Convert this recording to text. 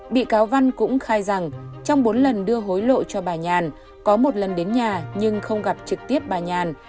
bị cáo văn cũng khai rằng trong bốn lần đưa hối lộ cho bà nhàn có một lần đến nhà nhưng không gặp trực tiếp bà nhàn